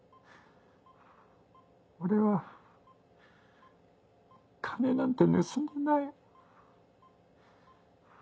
俺は金なんて盗んでない。